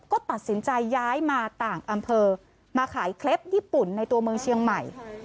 ก็ตัดสินใจย้ายมาต่างอำเภอมาขายเคล็ปญี่ปุ่นในตัวเมืองเชียงใหม่